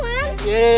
mbak mbak mbak